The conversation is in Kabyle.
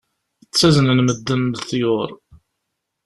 Ttaznen medden leḍyur.